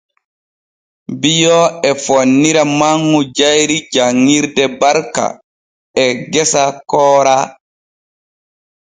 Bio e fonnira manŋu jayri janŋirde Barka e gasa Koora.